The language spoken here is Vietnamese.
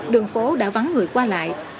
đường phố đã vắng người qua lại